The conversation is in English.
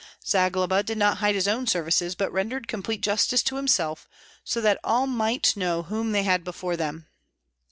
Zagloba did not hide his own services, but rendered complete justice to himself, so that all might know whom they had before them.